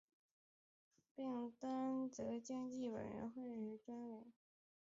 并担任经济委员会专委。